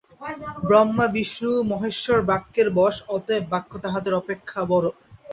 ব্রহ্মা বিষ্ণু মহেশ্বর বাক্যের বশ, অতএব বাক্য তাঁহাদের অপেক্ষা বড়ো।